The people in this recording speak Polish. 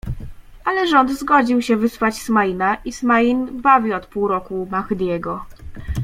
Ale rząd zgodził się wysłać Smaina i Smain bawi od pół roku u Mahdiego.